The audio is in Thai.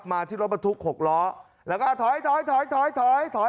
มาที่รถประทุกขกล้อแล้วก็ถอยถอยถอยถอยถอยถอย